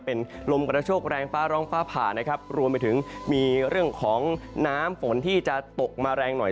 เป็นลมกระโชคแรงฟ้าร้องฟ้าผ่านะครับรวมไปถึงมีเรื่องของน้ำฝนที่จะตกมาแรงหน่อย